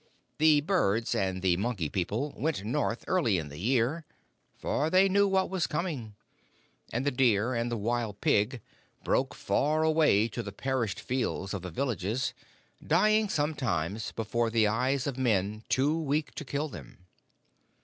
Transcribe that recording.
The birds and the monkey people went north early in the year, for they knew what was coming; and the deer and the wild pig broke far away to the perished fields of the villages, dying sometimes before the eyes of men too weak to kill them.